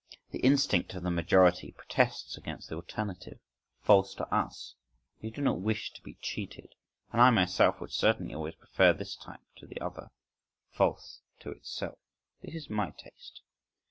The instinct of the majority protests against the alternative; "false to us"—they do not wish to be cheated;—and I myself would certainly always prefer this type to the other ("False to itself"). This is my taste.